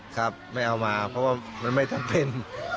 ครับไม่เอามาเพราะว่ามันไม่จำเป็น